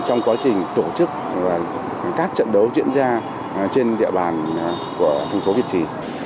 trong quá trình tổ chức các trận đấu diễn ra trên địa bàn của thành phố việt trì